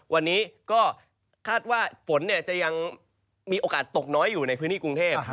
วันนี้ก็คาดว่าฝนจะยังมีโอกาสตกน้อยอยู่ในพื้นที่กรุงเทพ